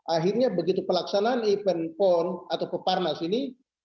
akhirnya begitu pelaksanaan event pon atau peparnas ini